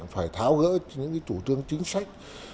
phải tháo gỡ những cái chủ trương chính sách